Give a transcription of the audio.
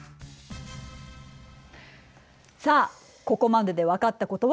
さあここまでで分かったことは？